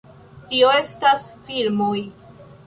Tio estas filmoj